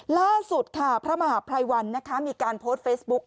ล่าสุดพระมหาไพรวันมีการโพสต์เฟซบุ๊ก